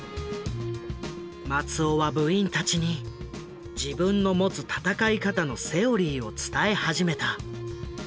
松尾は部員たちに自分の持つ戦い方のセオリーを伝え始めた。